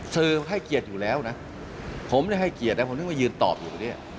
สื่อให้เกียรติอยู่แล้วนะผมไม่ให้เกียรติผมนึกว่ายืนตอบอยู่